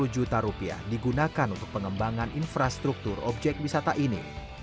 satu ratus tujuh puluh juta rupiah digunakan untuk pengembangan infrastruktur obyek wisata ini